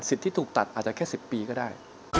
ที่ถูกตัดอาจจะแค่๑๐ปีก็ได้